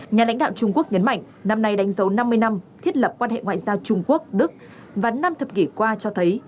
nhà lãnh đạo trung quốc nhấn mạnh năm nay đánh dấu năm mươi năm thiết lập quan hệ ngoại giao trung quốc đức và năm thập kỷ qua cho thấy